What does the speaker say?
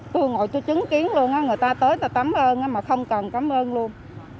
tôi ngồi tôi chứng kiến luôn á người ta tới ta cảm ơn mà không cần cảm ơn luôn